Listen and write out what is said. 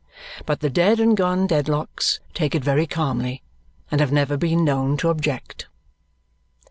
But the dead and gone Dedlocks take it very calmly and have never been known to object.